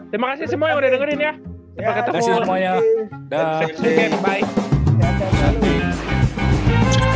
terima kasih semua yang udah dengerin ya